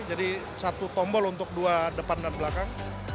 jadi satu tombol untuk dua depan dan belakang